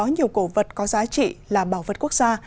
nhiều cổ vật có giá trị là bảo vật quốc gia